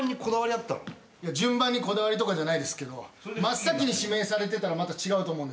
いや順番にこだわりとかじゃないですけど真っ先に指名されてたらまた違うと思うんですけど。